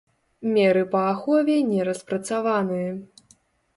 Меры па ахове не распрацаваны.